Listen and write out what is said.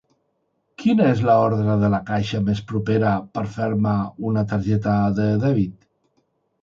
Quina és l'ordre de la caixa més propera per fer-me una targeta de dèbit?